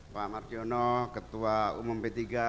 pak marjono ketua umum p tiga